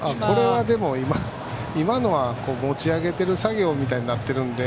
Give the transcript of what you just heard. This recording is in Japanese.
今のは持ち上げてる作業みたいになっているので。